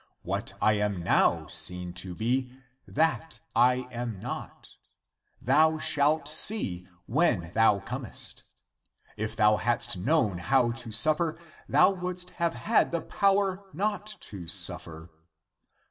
What I am now seen to be, that I am not. Thou shalt see, when thou comest. If thou hadst known how to suffer, thou wouldst have had (the power) not to suffer.